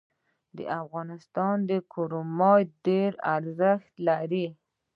د افغانستان کرومایټ ډیر ارزښت لري